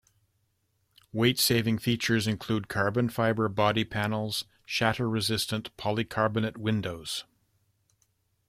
Weight saving features include carbon fiber body panels, shatter-resistant polycarbonate windows.